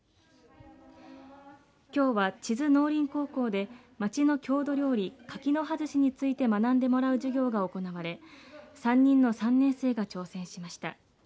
きょうは智頭農林高校で町の郷土料理、柿の葉寿司について学んでもらう授業が行われ３人の３年生が挑戦しました。